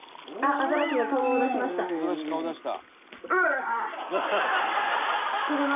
「アザラシ顔出した」